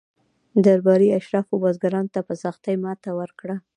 درباري اشرافو بزګرانو ته په سختۍ ماته ورکړه.